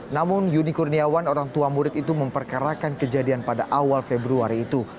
namun yuni kurniawan orang tua murid itu memperkarakan kejadian pada awal februari itu